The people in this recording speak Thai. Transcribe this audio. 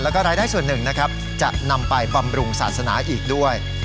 แล้วก็รายได้ส่วนหนึ่งนะครับจะนำไปบำรุงศาสนาอีกด้วย